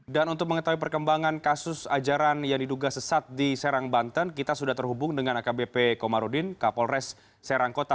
dan untuk mengetahui perkembangan kasus ajaran yang diduga sesat di serang banten kita sudah terhubung dengan akbp komarudin kapolres serang kota